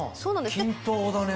均等だね。